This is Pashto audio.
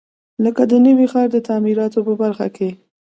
لکه د نوي ښار د تعمیراتو په برخو کې.